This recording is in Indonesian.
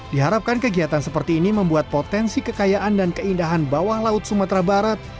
diharapkan kegiatan seperti ini membuat potensi kekayaan dan keindahan bawah laut sumatera barat